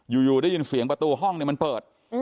อยู่ได้ยินเสียงประตูห้องมันเปิด